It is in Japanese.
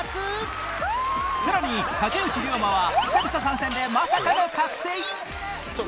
さらに竹内涼真は久々参戦でまさかの覚醒？